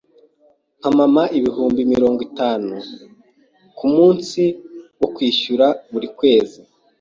Mpa mama ibihumbi mirongo itanu yen kumunsi wo kwishyura buri kwezi.